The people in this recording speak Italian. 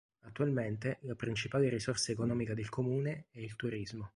Attualmente la principale risorsa economica del comune è il turismo.